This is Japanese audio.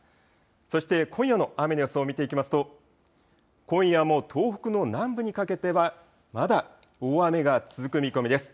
そして今夜の雨の予想を見ていきますと、今夜も東北の南部にかけてはまだ大雨が続く見込みです。